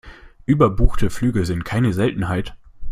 Überbuchte Flüge sind keine Seltenheit.